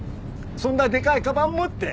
そんなでかいかばん持って。